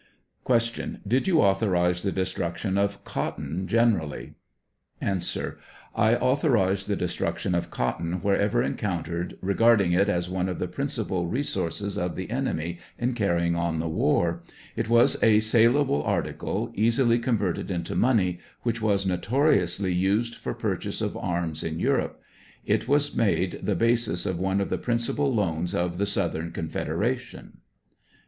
Q. Did you authorize the destruction of cotton een erally? ^ A. I authorized the destruction of cotton wherever encountered, regarding it as one of the principal re sources of the enemy in carrying on the war ; it was a saleable article, easily converted into money, which was notoriously used for purchase of arms in Europe ; it was made the basis of one of the principal loans of the Southern Confederation.